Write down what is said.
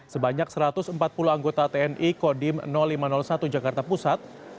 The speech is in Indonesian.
sebanyak satu ratus empat puluh anggota tni kodim lima ratus satu jakarta pusat